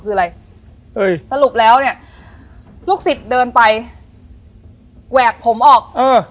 คืออะไรเอ้ยสรุปแล้วเนี้ยลูกศิษย์เดินไปแหวกผมออกเออ